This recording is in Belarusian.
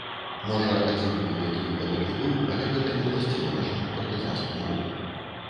Можа, адзінкавы такі выпадак і быў, але гэта неўласціва нашаму партызанскаму руху.